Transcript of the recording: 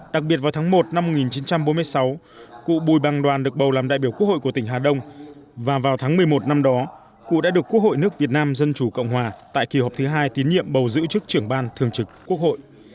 đặc biệt vào tháng một năm một nghìn chín trăm bốn mươi sáu cụ bùi băng đoàn được bầu làm đại biểu quốc hội của tỉnh hà đông và vào tháng một mươi một năm đó cụ đã được quốc hội nước việt nam dân chủ cộng hòa tại kỳ họp thứ hai tín nhiệm bầu giữ chức trưởng ban thường trực quốc hội